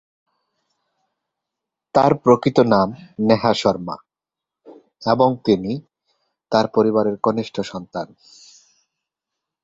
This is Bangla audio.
তার প্রকৃত নাম নেহা শর্মা এবং তিনি তার পরিবারের কনিষ্ঠ সন্তান।